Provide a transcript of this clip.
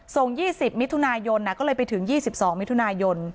ส่งยี่สิบมิถุนายนน่ะก็เลยไปถึงยี่สิบสองมิถุนายน